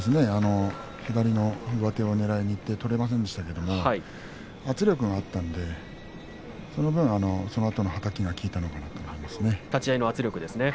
左の上手をねらいにいって取れませんでしたけれど圧力があったのでその分、そのあとのはたきが効いたんだと思っていますね。